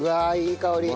いい香り。